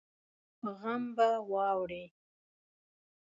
په غم به واوړې